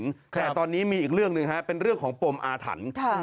แต่ตอนนี้มีอีกเรื่องหนึ่งฮะเป็นเรื่องของปมอาถรรพ์